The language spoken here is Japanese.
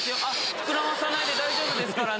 膨らまさないで大丈夫ですからね。